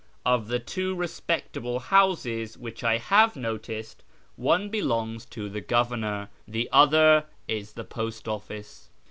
Of the two respectable houses which I have noticed, one belongs to the governor, the other is the post office.